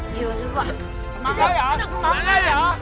semangat ya semangat ya